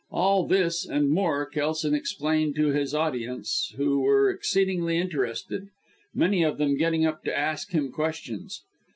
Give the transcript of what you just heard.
All this, and more, Kelson explained to his audience, who were exceedingly interested, many of them getting up to ask him questions.